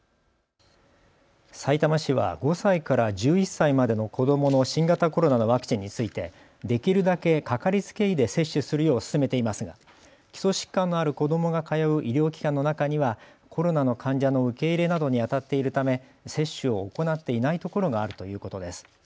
さいたま市は５歳から１１歳までの子どもの新型コロナのワクチンについて、できるだけかかりつけ医で接種するよう勧めていますが基礎疾患のある子どもが通う医療機関の中にはコロナの患者の受け入れなどにあたっているため接種を行っていないところがあるということです。